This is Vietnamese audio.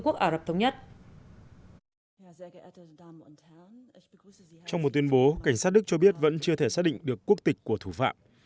quốc ả rập thống nhất trong một tuyên bố cảnh sát đức cho biết vẫn chưa thể xác định được quốc tịch của thủ phạm